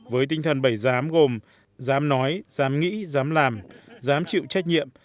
với tinh thần bảy giám gồm giám nói giám nghĩ giám làm giám chịu trách nhiệm